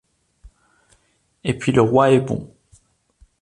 Et puis le roi est bon !